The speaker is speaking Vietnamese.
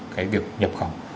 cái việc nhập khẩu